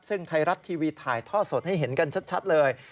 ซึ่งไทยรัฐทีวีถ่ายท่อสดให้เห็นกันชัดเลย